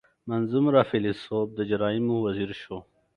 • منځ عمره فېلېسوف د جرایمو وزیر شو.